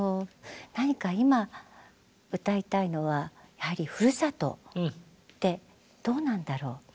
何か今歌いたいのはふるさとってどうなんだろう。